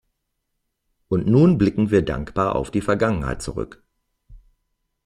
Und nun blicken wir dankbar auf die Vergangenheit zurück.